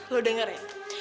lo denger ya